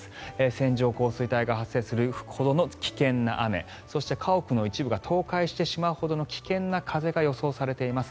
線状降水帯が発生するほどの危険な雨そして家屋の一部が倒壊してしまうほどの危険な風が予想されています。